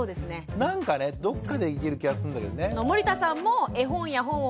どっかでいける気がするんだけどね。